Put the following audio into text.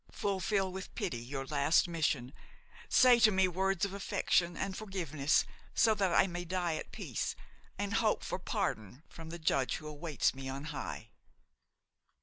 Fulfil with pity your last mission; say to me words of affection and forgiveness, so that I may die at peace, and hope for pardon from the Judge who awaits me on high."